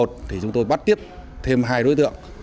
thì chúng tôi bắt tiếp thêm hai đối tượng